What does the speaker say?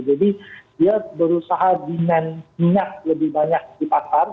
jadi dia berusaha demand minyak lebih banyak di pasar